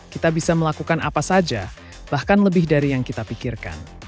kita bisa melakukan apa saja bahkan lebih dari yang kita pikirkan